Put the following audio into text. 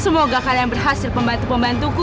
semoga kalian berhasil pembantu pembantuku